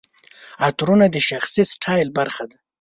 عطرونه د شخصي سټایل برخه ده.